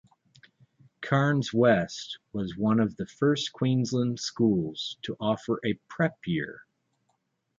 Cairns West was one of the first Queensland schools to offer a "Prep" year.